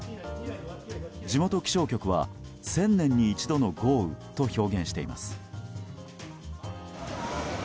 地元気象局は１０００年に一度の豪雨と表現しています。